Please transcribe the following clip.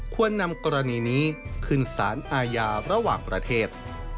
ควรนำกรณีนี้ขึ้นสารอาญาระหว่างประเทศ